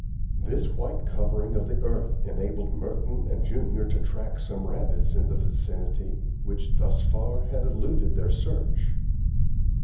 This white covering of the earth enabled Merton and Junior to track some rabbits in the vicinity, which thus far had eluded their search.